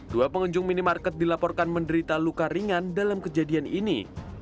dua pengunjung minimarket dilaporkan menderita luka ringan dalam kejadian ini